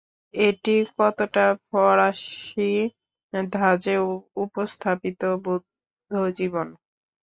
এটি কতকটা ফরাসী ধাঁজে উপস্থাপিত বুদ্ধজীবন।